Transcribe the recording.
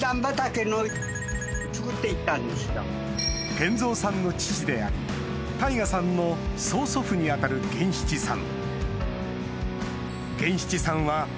賢三さんの父であり大我さんの曽祖父に当たる源七さん